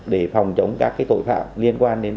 để phòng chống các tội phạm liên quan đến